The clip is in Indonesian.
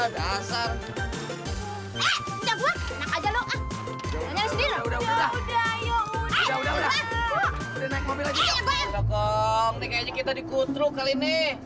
dong kong nih kayaknya kita dikutruk kali ini